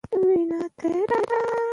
خدمت د خلکو د هوساینې لپاره دی.